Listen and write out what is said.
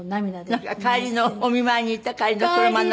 なんかお見舞いに行った帰りの車の中でも。